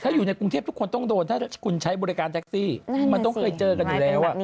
ถ้าอยู่ในกรุงเทพทุกคนต้องโดนถ้าคุณใช้บริการแท็กซี่มันต้องเคยเจอกันอยู่แล้ว